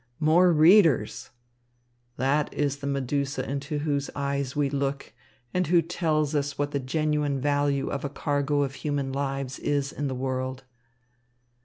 More readers! That is the Medusa into whose eyes we look, and who tells us what the genuine value of a cargo of human lives is in the world."